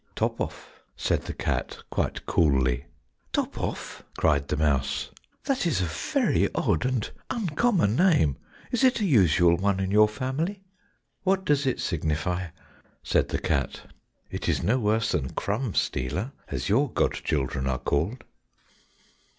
"Top off!" said the cat quite coolly. "Top off!" cried the mouse, "that is a very odd and uncommon name, is it a usual one in your family?" "What does it signify," said the cat, "it is no worse than Crumb stealer, as your god children are called."